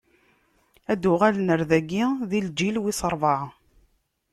Ad d-uɣalen ɣer dagi di lǧil wis ṛebɛa.